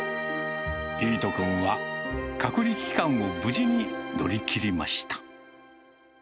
ゆいと君は隔離期間を無事に乗り切りました。